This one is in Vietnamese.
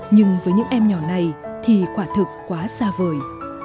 nhưng với những em nhỏ này thì quả thực quá xa vời